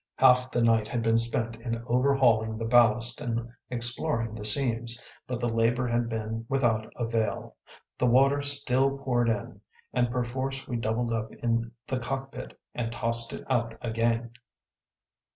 Half the night had been spent in overhauling the ballast and exploring the seams, but the labor had been without avail. The water still poured in, and perforce we doubled up in the cockpit and tossed it out again.